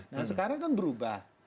nah sekarang kan berubah